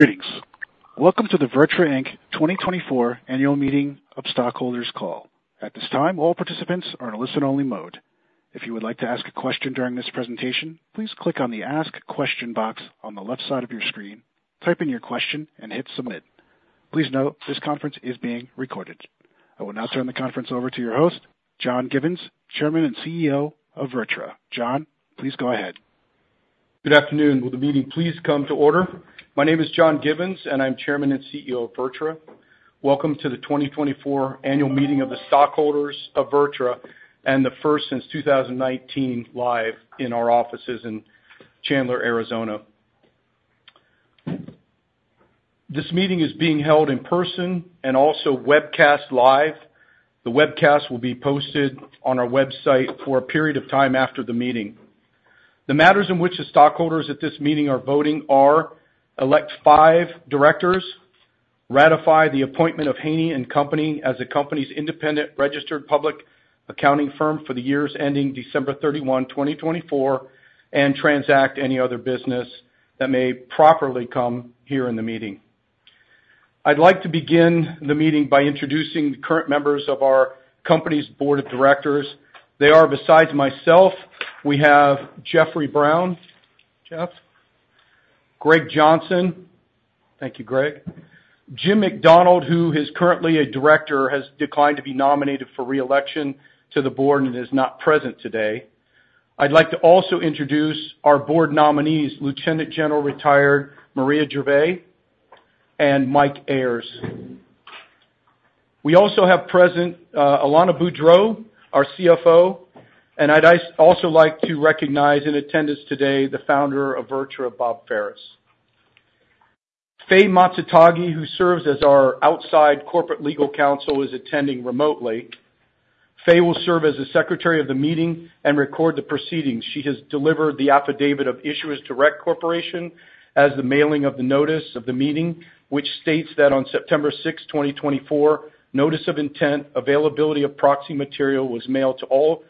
Greetings. Welcome to the VirTra Inc. 2024 Annual Meeting of Stockholders call. At this time, all participants are in a listen-only mode. If you would like to ask a question during this presentation, please click on the Ask Question box on the left side of your screen, type in your question, and hit Submit. Please note, this conference is being recorded. I will now turn the conference over to your host, John Givens, Chairman and CEO of VirTra. John, please go ahead. Good afternoon. Will the meeting please come to order? My name is John Givens, and I'm Chairman and CEO of VirTra. Welcome to the twenty twenty-four Annual Meeting of the Stockholders of VirTra and the first since two thousand and nineteen live in our offices in Chandler, Arizona. This meeting is being held in person and also webcast live. The webcast will be posted on our website for a period of time after the meeting. The matters in which the stockholders at this meeting are voting are: elect five directors, ratify the appointment of Haynie & Company as the company's independent registered public accounting firm for the years ending December thirty one, twenty twenty-four, and transact any other business that may properly come here in the meeting. I'd like to begin the meeting by introducing the current members of our company's board of directors. They are, besides myself, we have Jeffrey Brown. Jeff? Gregg Johnson. Thank you, Greg. Jim McDonald, who is currently a director, has declined to be nominated for re-election to the board and is not present today. I'd like to also introduce our board nominees, Lieutenant General Retired Maria Gervais and Mike Ayers. We also have present, Alana Boudreau, our CFO, and I'd also like to recognize in attendance today, the founder of VirTra, Bob Ferris. Faye Matsumura, who serves as our outside corporate legal counsel, is attending remotely. Faye will serve as the secretary of the meeting and record the proceedings. She has delivered the Affidavit of Issuer Direct Corporation as the mailing of the notice of the meeting, which states that on September sixth, twenty twenty-four, notice of internet availability of proxy material was mailed to all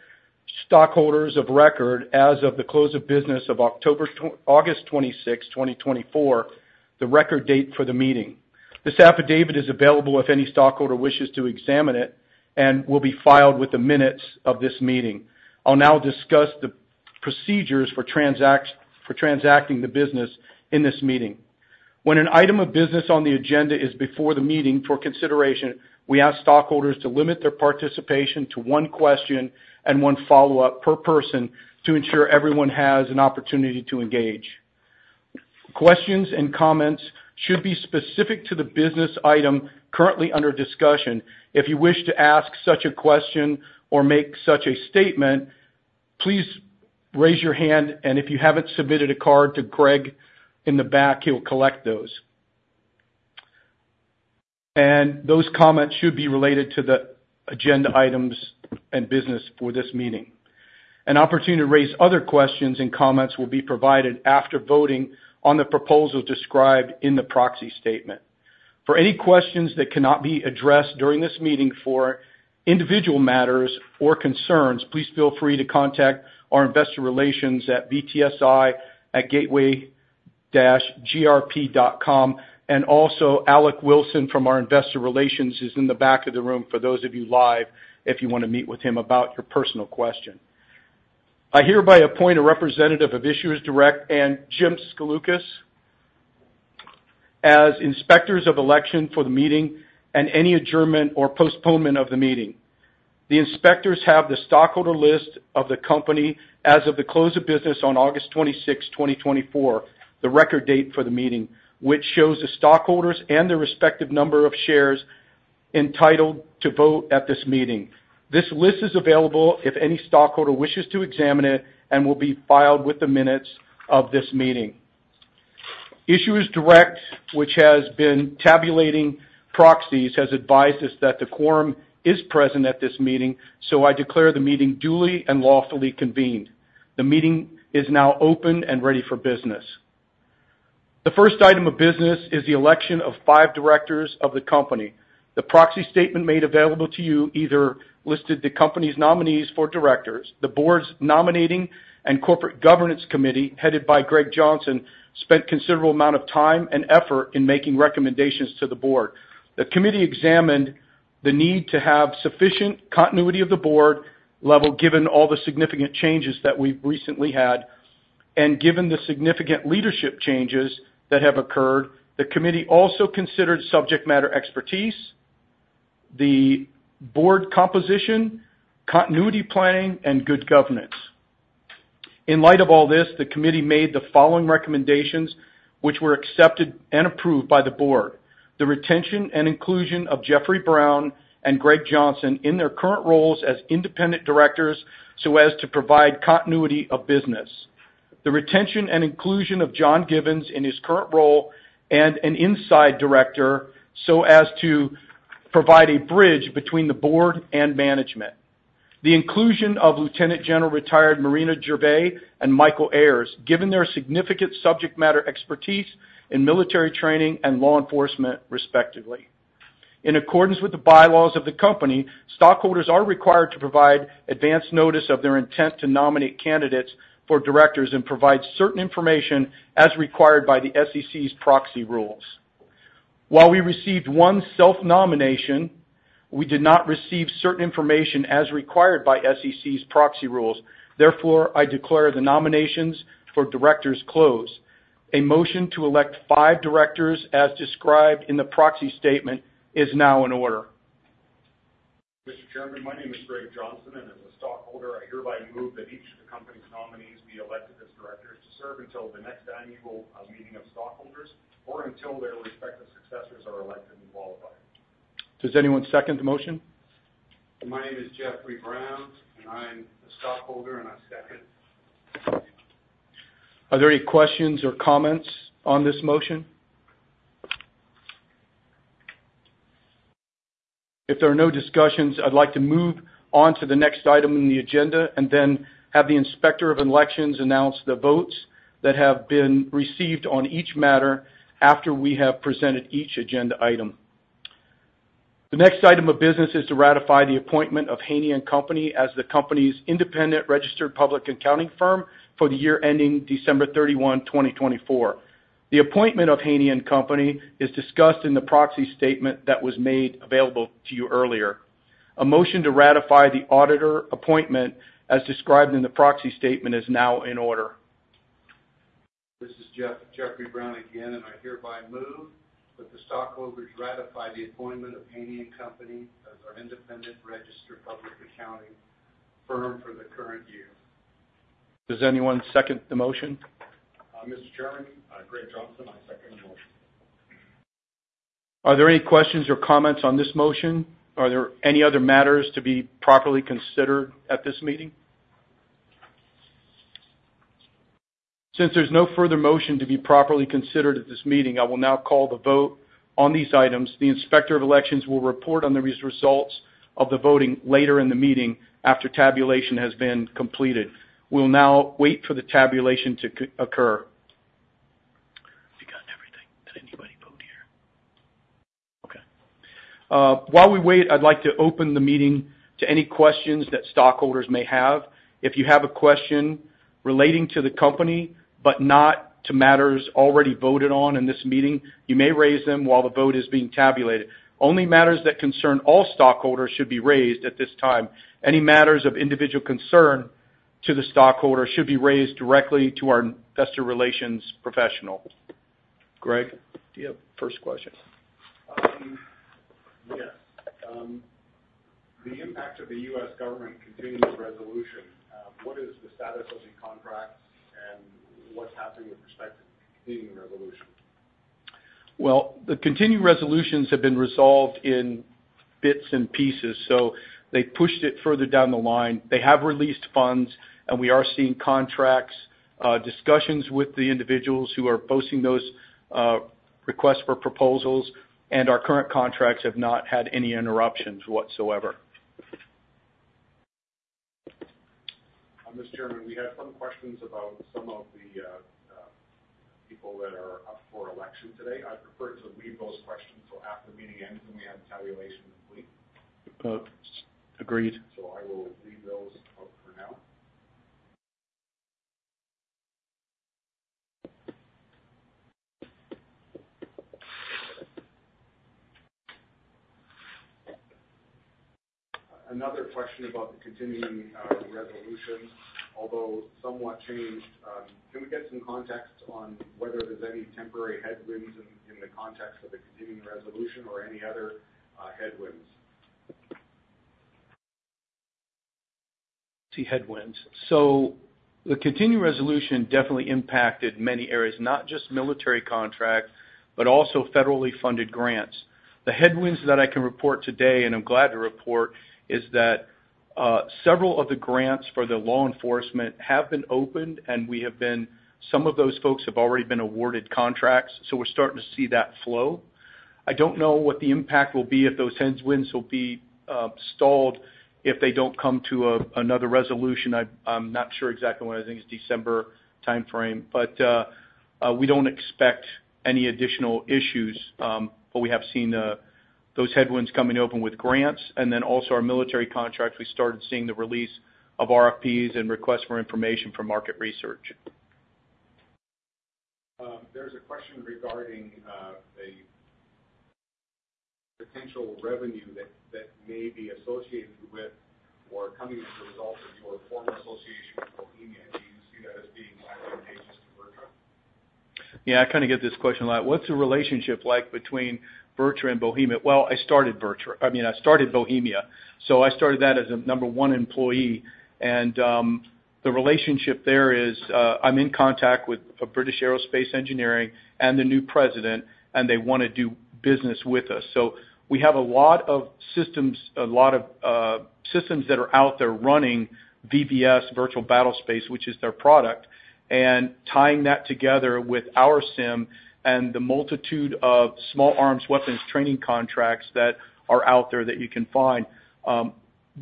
stockholders of record as of the close of business of August twenty-sixth, twenty twenty-four, the record date for the meeting. This affidavit is available if any stockholder wishes to examine it and will be filed with the minutes of this meeting. I'll now discuss the procedures for transacting the business in this meeting. When an item of business on the agenda is before the meeting for consideration, we ask stockholders to limit their participation to one question and one follow-up per person to ensure everyone has an opportunity to engage. Questions and comments should be specific to the business item currently under discussion. If you wish to ask such a question or make such a statement, please raise your hand, and if you haven't submitted a card to Greg in the back, he'll collect those. And those comments should be related to the agenda items and business for this meeting. An opportunity to raise other questions and comments will be provided after voting on the proposal described in the proxy statement. For any questions that cannot be addressed during this meeting for individual matters or concerns, please feel free to contact our investor relations at vtsi@gateway-grp.com. And also, Alec Wilson from our investor relations is in the back of the room for those of you live, if you want to meet with him about your personal question. I hereby appoint a representative of Issuer Direct and Jim Skoulakis as inspectors of election for the meeting and any adjournment or postponement of the meeting. The inspectors have the stockholder list of the company as of the close of business on August twenty-sixth, twenty twenty-four, the record date for the meeting, which shows the stockholders and the respective number of shares entitled to vote at this meeting. This list is available if any stockholder wishes to examine it and will be filed with the minutes of this meeting. Issuer Direct, which has been tabulating proxies, has advised us that the quorum is present at this meeting, so I declare the meeting duly and lawfully convened. The meeting is now open and ready for business. The first item of business is the election of five directors of the company. The proxy statement made available to you either listed the company's nominees for directors. The board's Nominating and Corporate Governance Committee, headed by Gregg Johnson, spent a considerable amount of time and effort in making recommendations to the board. The committee examined the need to have sufficient continuity of the board level, given all the significant changes that we've recently had, and given the significant leadership changes that have occurred, the committee also considered subject matter expertise, the board composition, continuity planning, and good governance. In light of all this, the committee made the following recommendations, which were accepted and approved by the board: the retention and inclusion of Jeffrey Brown and Gregg Johnson in their current roles as independent directors so as to provide continuity of business. The retention and inclusion of John Givens in his current role as an inside director, so as to provide a bridge between the board and management. The inclusion of Lieutenant General (Ret.) Maria Gervais and Michael Ayers, given their significant subject matter expertise in military training and law enforcement, respectively. In accordance with the bylaws of the company, stockholders are required to provide advance notice of their intent to nominate candidates for directors and provide certain information as required by the SEC's proxy rules. While we received one self-nomination, we did not receive certain information as required by SEC's proxy rules. Therefore, I declare the nominations for directors closed. A motion to elect five directors as described in the proxy statement is now in order. Mr. Chairman, my name is Gregg Johnson, and as a stockholder, I hereby move that each of the company's nominees be elected as directors to serve until the next annual meeting of stockholders, or until their respective successors are elected and qualified. Does anyone second the motion? My name is Jeffrey Brown, and I'm a stockholder, and I second. Are there any questions or comments on this motion? If there are no discussions, I'd like to move on to the next item in the agenda and then have the Inspector of Elections announce the votes that have been received on each matter after we have presented each agenda item. The next item of business is to ratify the appointment of Haynie & Company as the company's independent registered public accounting firm for the year ending December thirty-one, twenty twenty-four. The appointment of Haynie & Company is discussed in the proxy statement that was made available to you earlier. A motion to ratify the auditor appointment, as described in the proxy statement, is now in order. This is Jeff- Jeffrey Brown again, and I hereby move that the stockholders ratify the appointment of Haynie & Company as our independent registered public accounting firm for the current year. Does anyone second the motion? Mr. Chairman, Gregg Johnson. I second the motion. Are there any questions or comments on this motion? Are there any other matters to be properly considered at this meeting? Since there's no further motion to be properly considered at this meeting, I will now call the vote on these items. The Inspector of Elections will report on these results of the voting later in the meeting after tabulation has been completed. We'll now wait for the tabulation to occur. We got everything. Did anybody vote here? Okay. While we wait, I'd like to open the meeting to any questions that stockholders may have. If you have a question relating to the company, but not to matters already voted on in this meeting, you may raise them while the vote is being tabulated. Only matters that concern all stockholders should be raised at this time. Any matters of individual concern to the stockholder should be raised directly to our investor relations professional. Greg, do you have the first question? Yes. The impact of the U.S. government continuing resolution, what is the status of the contracts and what's happening with respect to the continuing resolution? The continuing resolutions have been resolved in bits and pieces, so they pushed it further down the line. They have released funds, and we are seeing contracts, discussions with the individuals who are posting those, requests for proposals, and our current contracts have not had any interruptions whatsoever. Mr. Chairman, we had some questions about some of the people that are up for election today. I'd prefer to leave those questions till after the meeting ends and we have tabulation complete. Uh, agreed. So I will leave those out for now. Another question about the Continuing Resolution, although somewhat changed. Can we get some context on whether there's any temporary headwinds in the context of the Continuing Resolution or any other headwinds? See headwinds. So the Continuing Resolution definitely impacted many areas, not just military contracts, but also federally funded grants. The headwinds that I can report today, and I'm glad to report, is that several of the grants for the law enforcement have been opened, and some of those folks have already been awarded contracts, so we're starting to see that flow. I don't know what the impact will be if those headwinds will be stalled, if they don't come to another resolution. I'm not sure exactly when. I think it's December timeframe, but we don't expect any additional issues. But we have seen those headwinds coming open with grants and then also our military contracts. We started seeing the release of RFPs and requests for information from market research. There's a question regarding a potential revenue that may be associated with or coming as a result of your former association with Bohemia. Do you see that as being advantageous to VirTra? Yeah, I kind of get this question a lot. What's the relationship like between VirTra and Bohemia? Well, I started VirTra. I mean, I started Bohemia, so I started that as a number one employee. And the relationship there is, I'm in contact with British Aerospace Engineering and the new president, and they wanna do business with us. So we have a lot of systems that are out there running VBS, Virtual Battlespace, which is their product, and tying that together with our SIM and the multitude of small arms weapons training contracts that are out there that you can find.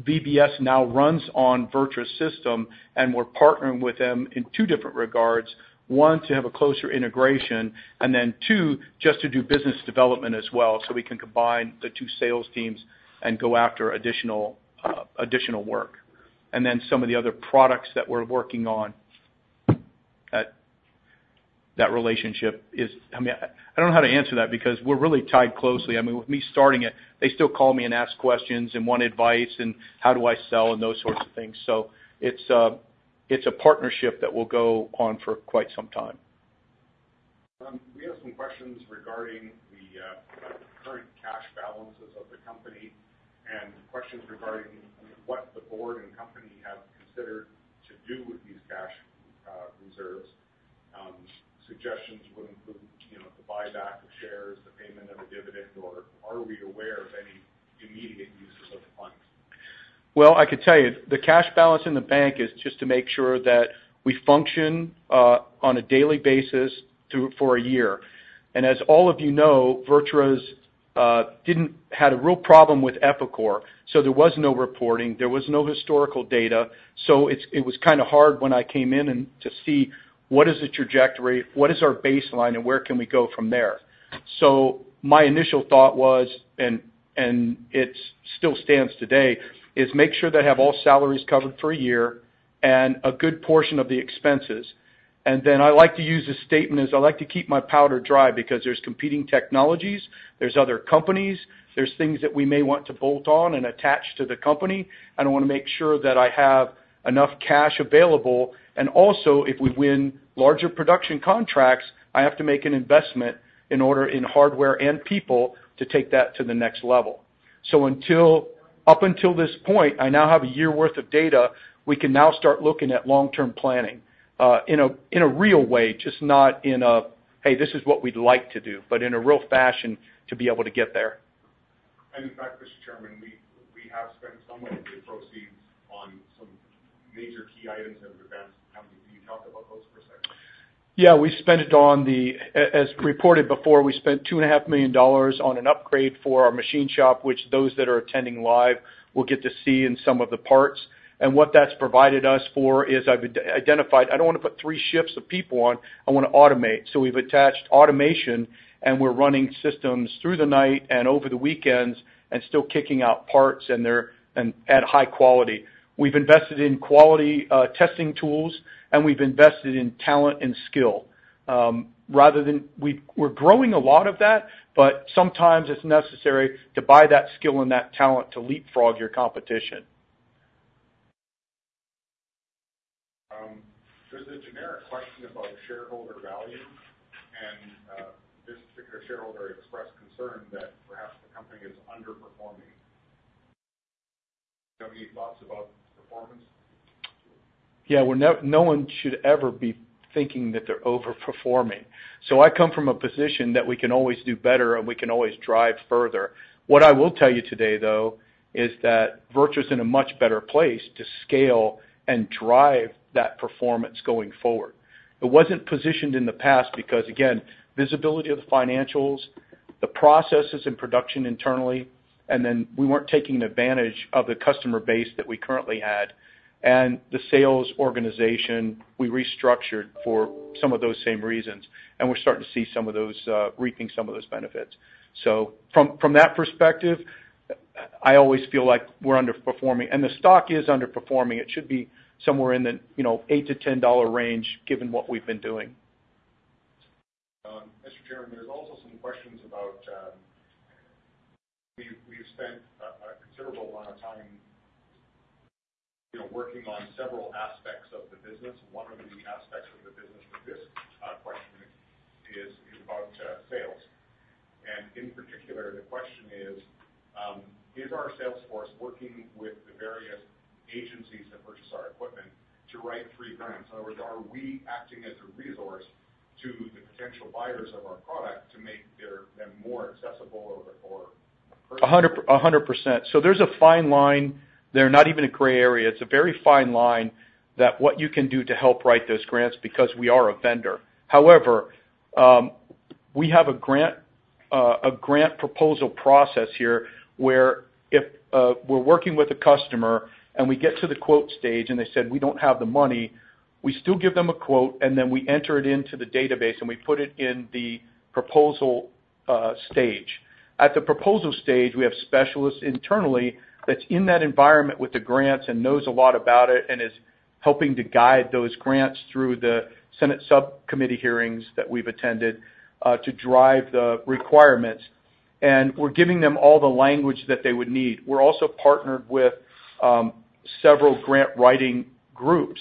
VBS now runs on VirTra system, and we're partnering with them in two different regards. One, to have a closer integration, and then two, just to do business development as well, so we can combine the two sales teams and go after additional, additional work. And then some of the other products that we're working on, at that relationship is. I mean, I don't know how to answer that because we're really tied closely. I mean, with me starting it, they still call me and ask questions and want advice, and how do I sell, and those sorts of things. So it's, it's a partnership that will go on for quite some time. We have some questions regarding the current cash balances of the company, and questions regarding what the board and company have considered to do with these cash reserves. Suggestions would include, you know, the buyback of shares, the payment of a dividend, or are we aware of any immediate uses of the funds? I could tell you, the cash balance in the bank is just to make sure that we function on a daily basis for a year. And as all of you know, VirTra didn't have a real problem with Epicor, so there was no reporting, there was no historical data. So it was kind of hard when I came in to see what is the trajectory, what is our baseline, and where can we go from there. So my initial thought was, and it still stands today, is make sure they have all salaries covered for a year and a good portion of the expenses. And then I like to use this statement as I like to keep my powder dry because there's competing technologies, there's other companies, there's things that we may want to bolt on and attach to the company, and I wanna make sure that I have enough cash available. And also, if we win larger production contracts, I have to make an investment in order, in hardware and people, to take that to the next level. Up until this point, I now have a year worth of data, we can now start looking at long-term planning, in a real way, just not in a, "Hey, this is what we'd like to do," but in a real fashion to be able to get there. In fact, Mr. Chairman, we have spent some way to proceed on some major key items and events coming. Can you talk about those for a second? Yeah, we spent it on the... as reported before, we spent $2.5 million on an upgrade for our machine shop, which those that are attending live will get to see in some of the parts. And what that's provided us for is I've identified, I don't wanna put three shifts of people on, I wanna automate. So we've attached automation, and we're running systems through the night and over the weekends and still kicking out parts, and they're at high quality. We've invested in quality testing tools, and we've invested in talent and skill. Rather than, we're growing a lot of that, but sometimes it's necessary to buy that skill and that talent to leapfrog your competition. There's a generic question about shareholder value, and this particular shareholder expressed concern that perhaps the company is underperforming. Do you have any thoughts about performance? Yeah, well, no one should ever be thinking that they're overperforming. So I come from a position that we can always do better, and we can always drive further. What I will tell you today, though, is that VirTra's in a much better place to scale and drive that performance going forward. It wasn't positioned in the past because, again, visibility of the financials, the processes and production internally, and then we weren't taking advantage of the customer base that we currently had. And the sales organization, we restructured for some of those same reasons, and we're starting to see some of those, reaping some of those benefits. So from that perspective, I always feel like we're underperforming, and the stock is underperforming. It should be somewhere in the, you know, $8-$10 range, given what we've been doing. Mr. Chairman, there's also some questions about, we've spent a considerable amount of time, you know, working on several aspects of the business. One of the aspects of the business with this question is about sales. And in particular, the question is, "Is our sales force working with the various agencies that purchase our equipment to write free grants? In other words, are we acting as a resource to the potential buyers of our product to make them more accessible or, or... 100%, 100%. So there's a fine line there, not even a gray area. It's a very fine line that what you can do to help write those grants because we are a vendor. However, we have a grant proposal process here, where if we're working with a customer and we get to the quote stage, and they said, "We don't have the money," we still give them a quote, and then we enter it into the database, and we put it in the proposal stage. At the proposal stage, we have specialists internally that's in that environment with the grants and knows a lot about it and is helping to guide those grants through the Senate subcommittee hearings that we've attended to drive the requirements. We're giving them all the language that they would need. We're also partnered with several grant-writing groups.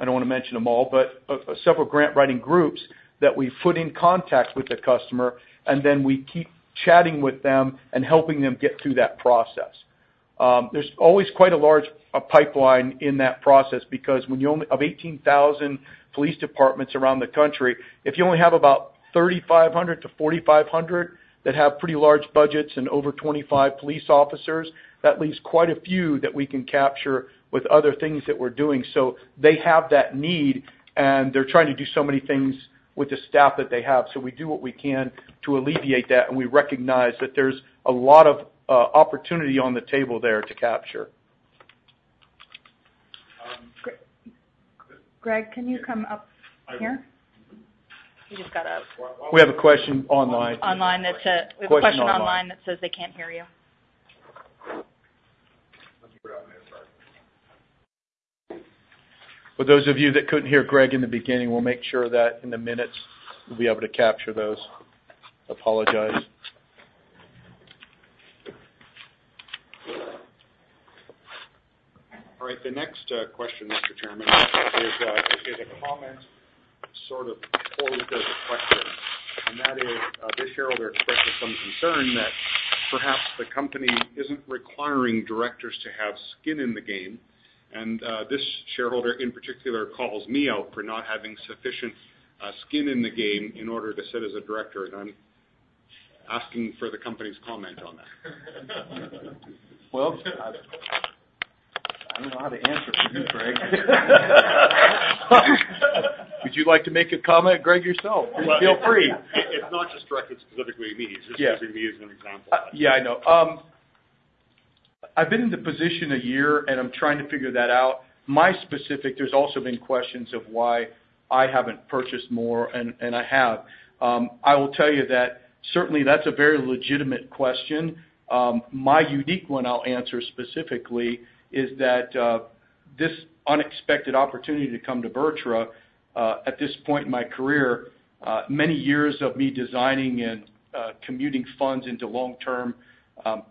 I don't want to mention them all, but several grant-writing groups that we've put in contact with the customer, and then we keep chatting with them and helping them get through that process. There's always quite a large pipeline in that process because when you only of 18,000 police departments around the country, if you only have about 3,500 to 4,500 that have pretty large budgets and over 25 police officers, that leaves quite a few that we can capture with other things that we're doing, so they have that need, and they're trying to do so many things with the staff that they have, so we do what we can to alleviate that, and we recognize that there's a lot of opportunity on the table there to capture.... Greg, can you come up here? He just got up. We have a question online. Online, that's a- Question online. We have a question online that says they can't hear you. Let me grab this. Sorry. For those of you that couldn't hear Greg in the beginning, we'll make sure that in the minutes, we'll be able to capture those. Apologize. All right, the next question, Mr. Chairman, is a comment, sort of posed as a question, and that is, this shareholder expresses some concern that perhaps the company isn't requiring directors to have skin in the game, and this shareholder, in particular, calls me out for not having sufficient skin in the game in order to sit as a director, and I'm asking for the company's comment on that. I don't know how to answer for you, Greg. Would you like to make a comment, Greg, yourself? Feel free. It's not just directed specifically to me. Yeah. It's just using me as an example. Yeah, I know. I've been in the position a year, and I'm trying to figure that out. My specific... There's also been questions of why I haven't purchased more, and I have. I will tell you that certainly that's a very legitimate question. My unique one, I'll answer specifically, is that this unexpected opportunity to come to VirTra at this point in my career, many years of me designing and committing funds into long-term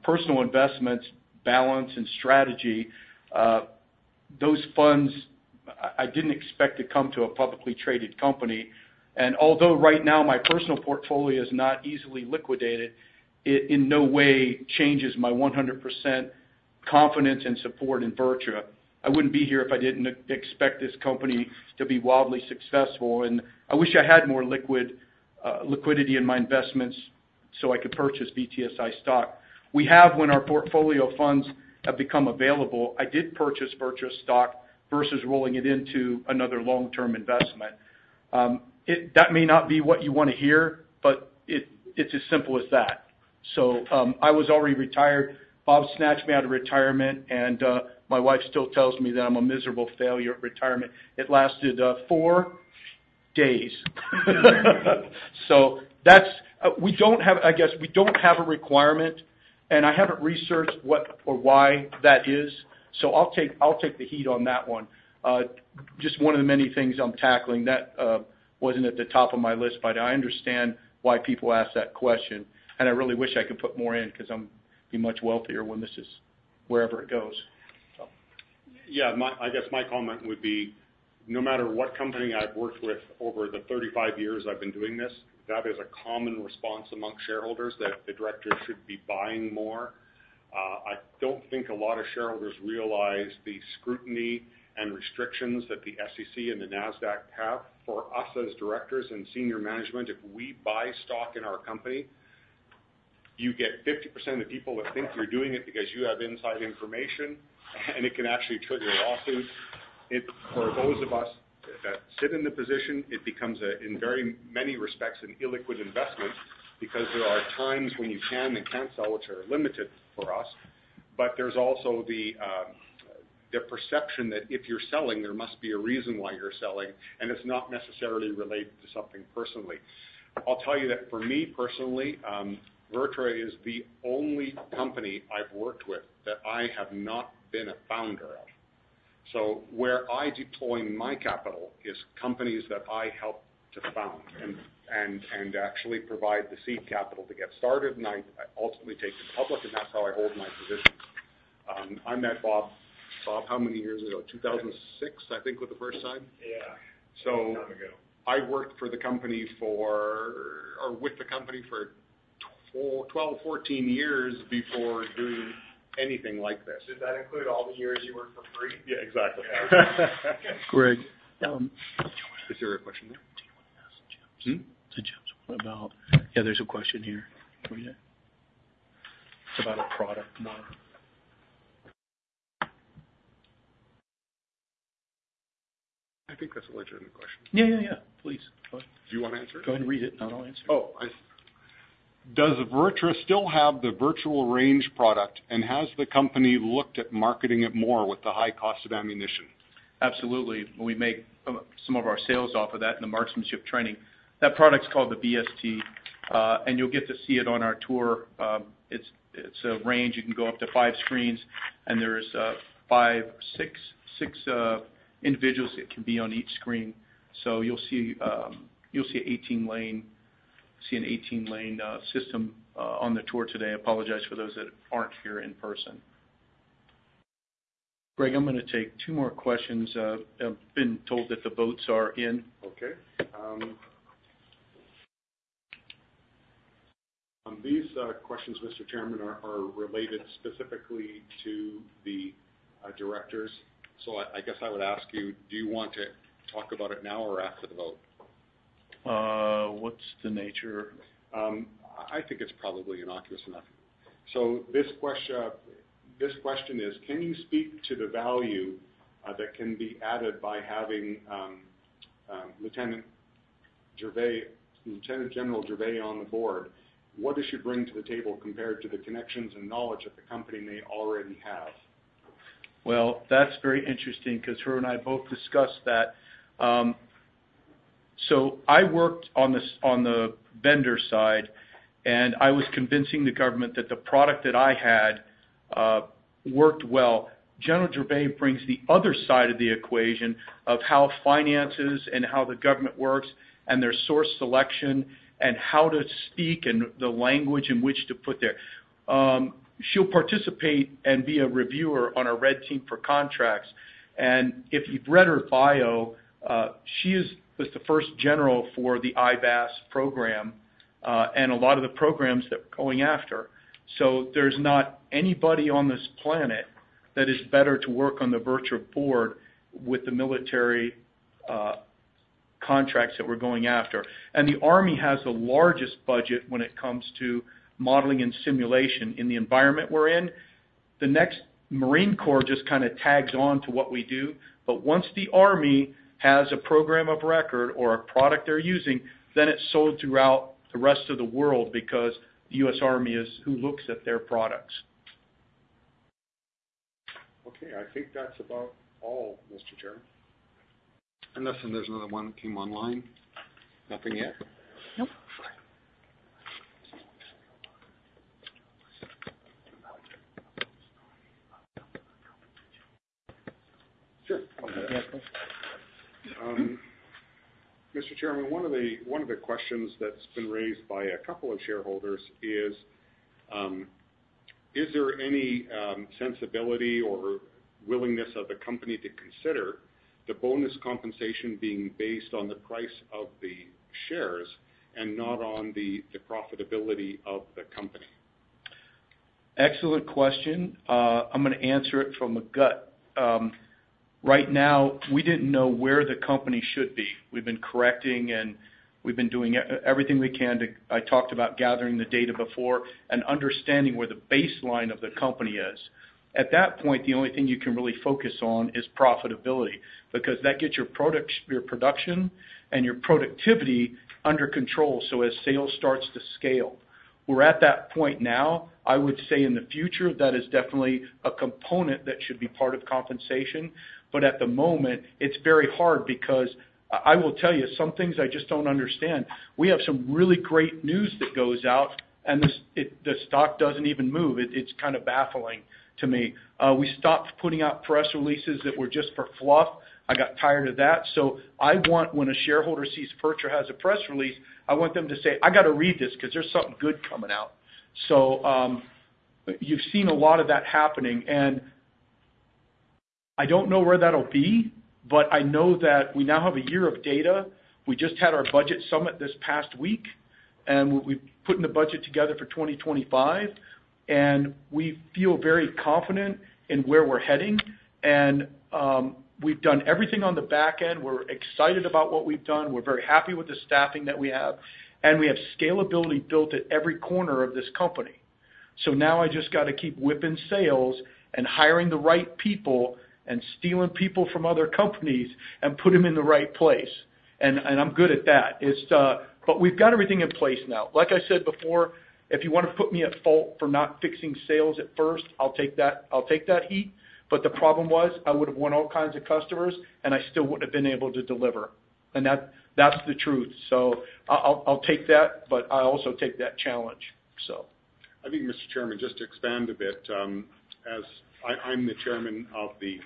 personal investments, balance, and strategy, those funds, I didn't expect to come to a publicly traded company. And although right now my personal portfolio is not easily liquidated, it in no way changes my 100% confidence and support in VirTra. I wouldn't be here if I didn't expect this company to be wildly successful, and I wish I had more liquidity in my investments so I could purchase VTSI stock. We have, when our portfolio funds have become available, I did purchase VirTra stock versus rolling it into another long-term investment. That may not be what you wanna hear, but it's as simple as that. So I was already retired. Bob snatched me out of retirement, and my wife still tells me that I'm a miserable failure at retirement. It lasted four days. So we don't have. I guess we don't have a requirement, and I haven't researched what or why that is, so I'll take the heat on that one. Just one of the many things I'm tackling, that wasn't at the top of my list, but I understand why people ask that question, and I really wish I could put more in because I'm be much wealthier when this is wherever it goes, so. Yeah, I guess my comment would be, no matter what company I've worked with over the thirty-five years I've been doing this, that is a common response among shareholders, that the directors should be buying more. I don't think a lot of shareholders realize the scrutiny and restrictions that the SEC and the NASDAQ have for us as directors and senior management. If we buy stock in our company, you get 50% of the people that think you're doing it because you have inside information, and it can actually trigger a lawsuit. It, for those of us that sit in the position, it becomes a, in very many respects, an illiquid investment because there are times when you can and can't sell, which are limited for us. But there's also the perception that if you're selling, there must be a reason why you're selling, and it's not necessarily related to something personally. I'll tell you that for me personally, VirTra is the only company I've worked with that I have not been a founder of. So where I deploy my capital is companies that I help to found and actually provide the seed capital to get started, and I ultimately take to public, and that's how I hold my position. I met Bob, how many years ago? Two thousand and six, I think, was the first time? Yeah. So- Long time ago. I worked for the company for or with the company for four, 12, 14 years before doing anything like this. Does that include all the years you worked for free? Yeah, exactly. Greg, um- Is there a question there? Do you want to ask Jim? Hmm? Jim, what about... Yeah, there's a question here for you. It's about a product more. I think that's a legitimate question. Yeah, yeah, yeah. Please, go ahead. Do you wanna answer it? Go and read it, and I'll answer it. Oh, I- Does VirTra still have the virtual range product, and has the company looked at marketing it more with the high cost of ammunition? Absolutely. We make some of our sales off of that in the marksmanship training. That product's called the V-ST, and you'll get to see it on our tour. It's a range. You can go up to five screens, and there's five, six individuals that can be on each screen. So you'll see an eighteen-lane system on the tour today. I apologize for those that aren't here in person. Greg, I'm gonna take two more questions. I've been told that the votes are in. Okay. These questions, Mr. Chairman, are related specifically to the directors. So I guess I would ask you, do you want to talk about it now or after the vote? What's the nature? I think it's probably innocuous enough. So this question is: Can you speak to the value that can be added by having Lieutenant General Gervais on the board, what does she bring to the table compared to the connections and knowledge that the company may already have? Well, that's very interesting because her and I both discussed that. So I worked on the vendor side, and I was convincing the government that the product that I had worked well. General Gervais brings the other side of the equation of how finances and how the government works, and their source selection, and how to speak, and the language in which to put there. She'll participate and be a reviewer on our Red Team for contracts. And if you've read her bio, she is, was the first general for the IVAS program, and a lot of the programs that we're going after. So there's not anybody on this planet that is better to work on the VirTra board with the military contracts that we're going after. The Army has the largest budget when it comes to modeling and simulation in the environment we're in. The U.S. Marine Corps just kind of tags on to what we do. But once the Army has a Program of Record or a product they're using, then it's sold throughout the rest of the world because the U.S. Army is who looks at their products. Okay. I think that's about all, Mr. Chairman. Unless there's another one that came online? Nothing yet? Nope. Sure. Mr. Chairman, one of the questions that's been raised by a couple of shareholders is, is there any sensibility or willingness of the company to consider the bonus compensation being based on the price of the shares and not on the profitability of the company? Excellent question. I'm gonna answer it from the gut. Right now, we didn't know where the company should be. We've been correcting, and we've been doing everything we can to. I talked about gathering the data before and understanding where the baseline of the company is. At that point, the only thing you can really focus on is profitability, because that gets your product your production and your productivity under control, so as sales starts to scale. We're at that point now. I would say in the future, that is definitely a component that should be part of compensation, but at the moment, it's very hard because I, I will tell you, some things I just don't understand. We have some really great news that goes out, and the stock doesn't even move. It's kind of baffling to me. We stopped putting out press releases that were just for fluff. I got tired of that, so I want, when a shareholder sees VirTra has a press release, I want them to say, "I got to read this because there's something good coming out." So, you've seen a lot of that happening, and I don't know where that'll be, but I know that we now have a year of data. We just had our budget summit this past week, and we've putting the budget together for twenty twenty-five, and we feel very confident in where we're heading. And we've done everything on the back end. We're excited about what we've done. We're very happy with the staffing that we have, and we have scalability built at every corner of this company. So now I just got to keep whipping sales and hiring the right people and stealing people from other companies and put them in the right place. And, and I'm good at that. It's. But we've got everything in place now. Like I said before, if you want to put me at fault for not fixing sales at first, I'll take that, I'll take that heat. But the problem was, I would have won all kinds of customers, and I still wouldn't have been able to deliver. And that, that's the truth. So I'll, I'll take that, but I also take that challenge, so. I think, Mr. Chairman, just to expand a bit, as I'm the chairman of the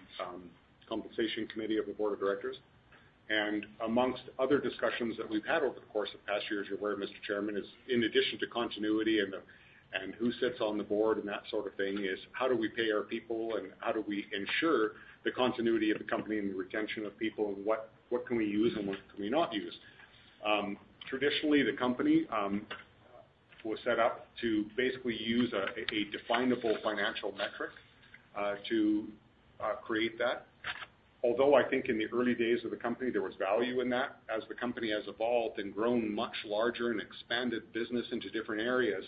Compensation Committee of the Board of Directors, and amongst other discussions that we've had over the course of the past year, as you're aware, Mr. Chairman, is in addition to continuity and who sits on the board and that sort of thing, is how do we pay our people? And how do we ensure the continuity of the company and the retention of people? And what can we use and what can we not use? Traditionally, the company was set up to basically use a definable financial metric to create that. Although I think in the early days of the company, there was value in that. As the company has evolved and grown much larger and expanded business into different areas,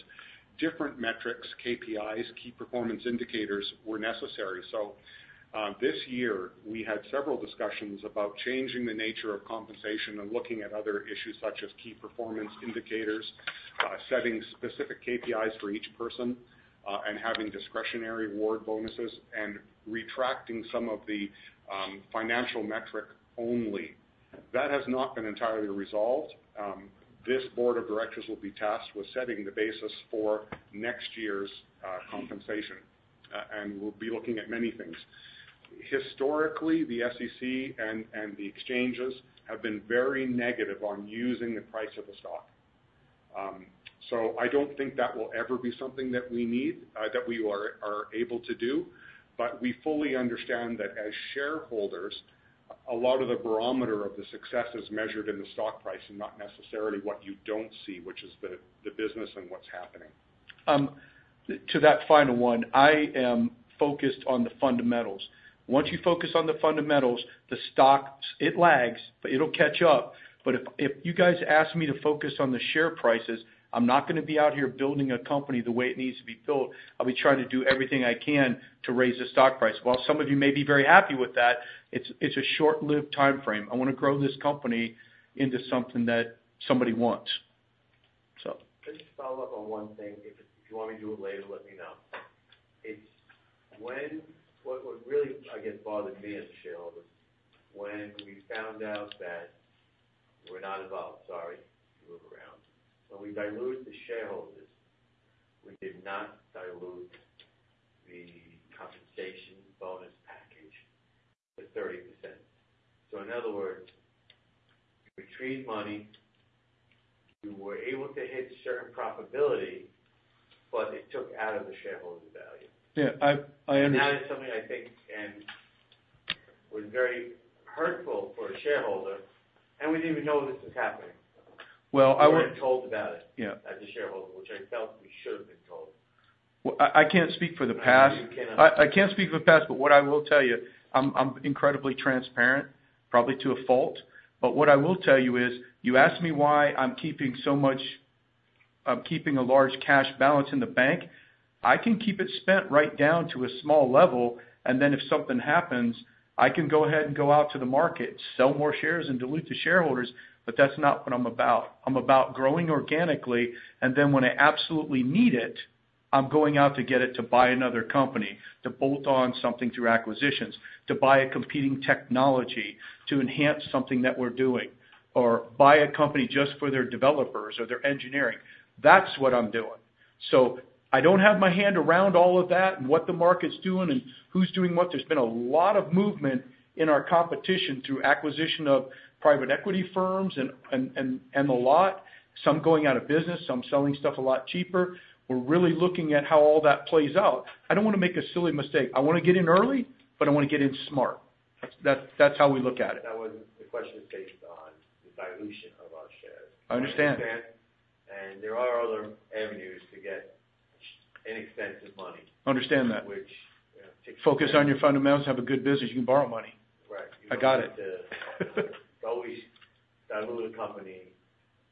different metrics, KPIs, key performance indicators, were necessary. So, this year, we had several discussions about changing the nature of compensation and looking at other issues such as key performance indicators, setting specific KPIs for each person, and having discretionary award bonuses, and retracting some of the, financial metric only. That has not been entirely resolved. This board of directors will be tasked with setting the basis for next year's, compensation, and we'll be looking at many things. Historically, the SEC and the exchanges have been very negative on using the price of the stock. So I don't think that will ever be something that we need, that we are able to do, but we fully understand that as shareholders, a lot of the barometer of the success is measured in the stock price and not necessarily what you don't see, which is the business and what's happening. To that final one, I am focused on the fundamentals. Once you focus on the fundamentals, the stock, it lags, but it'll catch up. But if you guys ask me to focus on the share prices, I'm not gonna be out here building a company the way it needs to be built. I'll be trying to do everything I can to raise the stock price. While some of you may be very happy with that, it's a short-lived timeframe. I wanna grow this company into something that somebody wants.... Just to follow up on one thing, if you want me to do it later, let me know. It's when—what really, I guess, bothered me as a shareholder, when we found out that we're not involved, sorry, to move around. When we dilute the shareholders, we did not dilute the compensation bonus package to 30%. So in other words, you retrieved money, you were able to hit certain profitability, but it took out of the shareholder value. Yeah, I under- That is something I think and was very hurtful for a shareholder, and we didn't even know this was happening. Well, I would- We weren't told about it- Yeah as a shareholder, which I felt we should have been told. I can't speak for the past. You cannot. I can't speak for the past, but what I will tell you, I'm incredibly transparent, probably to a fault. But what I will tell you is, you asked me why I'm keeping so much... I'm keeping a large cash balance in the bank. I can keep it spent right down to a small level, and then if something happens, I can go ahead and go out to the market, sell more shares, and dilute the shareholders, but that's not what I'm about. I'm about growing organically, and then when I absolutely need it, I'm going out to get it to buy another company, to bolt on something through acquisitions, to buy a competing technology, to enhance something that we're doing, or buy a company just for their developers or their engineering. That's what I'm doing. So I don't have my hand around all of that and what the market's doing and who's doing what. There's been a lot of movement in our competition through acquisition of private equity firms and the lot, some going out of business, some selling stuff a lot cheaper. We're really looking at how all that plays out. I don't wanna make a silly mistake. I wanna get in early, but I wanna get in smart. That's how we look at it. That was the question is based on the dilution of our shares. I understand. And there are other avenues to get an extensive money- Understand that which, you know, takes Focus on your fundamentals, have a good business. You can borrow money. Right. I got it. It's always dilutive to a company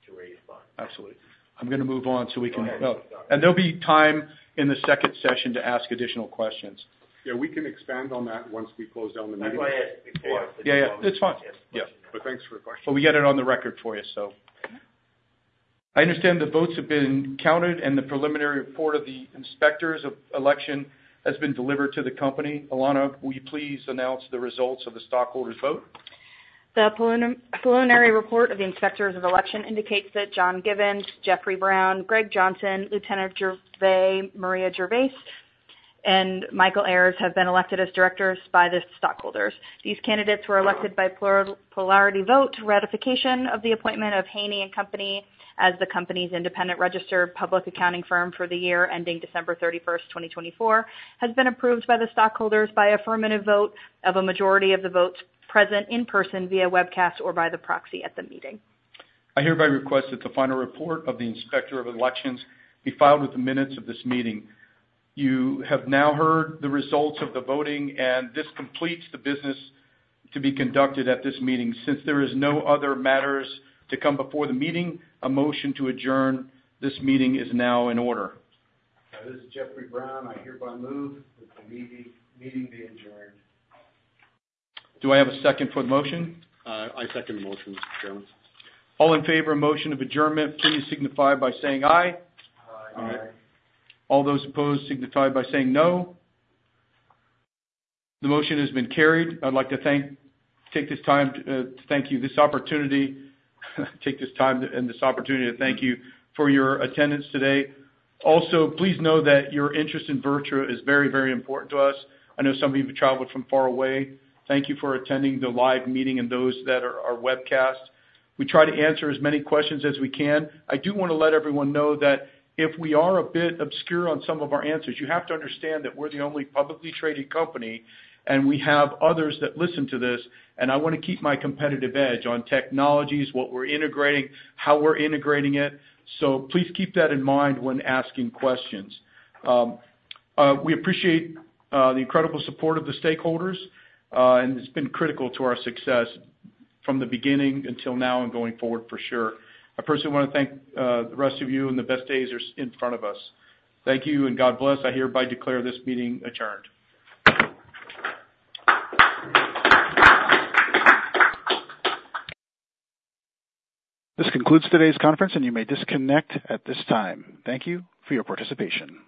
to raise funds. Absolutely. I'm gonna move on, so we can... Oh, and there'll be time in the second session to ask additional questions. Yeah, we can expand on that once we close down the meeting. No, go ahead. Before- Yeah, yeah. It's fine. Yeah, but thanks for the question. But we got it on the record for you, so. I understand the votes have been counted, and the preliminary report of the inspectors of election has been delivered to the company. Alana, will you please announce the results of the stockholders' vote? The preliminary report of the inspectors of election indicates that John Givens, Jeffrey Brown, Gregg Johnson, Maria Gervais, and Michael Ayers have been elected as directors by the stockholders. These candidates were elected by plurality vote. Ratification of the appointment of Haynie and Company as the company's independent registered public accounting firm for the year ending December thirty-first, twenty twenty-four, has been approved by the stockholders by affirmative vote of a majority of the votes present in person, via webcast or by the proxy at the meeting. I hereby request that the final report of the inspector of elections be filed with the minutes of this meeting. You have now heard the results of the voting, and this completes the business to be conducted at this meeting. Since there is no other matters to come before the meeting, a motion to adjourn this meeting is now in order. This is Jeffrey Brown. I hereby move that the meeting be adjourned. Do I have a second for the motion? I second the motion, Mr. Chairman. All in favor of motion of adjournment, please signify by saying, "Aye. Aye. All those opposed, signify by saying, "No." The motion has been carried. I'd like to take this time and this opportunity to thank you for your attendance today. Also, please know that your interest in VirTra is very, very important to us. I know some of you have traveled from far away. Thank you for attending the live meeting and those that are our webcast. We try to answer as many questions as we can. I do wanna let everyone know that if we are a bit obscure on some of our answers, you have to understand that we're the only publicly traded company, and we have others that listen to this, and I wanna keep my competitive edge on technologies, what we're integrating, how we're integrating it. So please keep that in mind when asking questions. We appreciate the incredible support of the stakeholders, and it's been critical to our success from the beginning until now and going forward for sure. I personally wanna thank the rest of you, and the best days are in front of us. Thank you, and God bless. I hereby declare this meeting adjourned. This concludes today's conference, and you may disconnect at this time. Thank you for your participation.